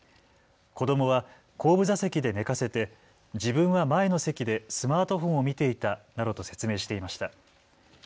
子どもは後部座席で寝かせて自分は前の席でスマートフォンを見ていたなどと説明していました。